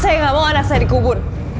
saya nggak mau anak saya dikubur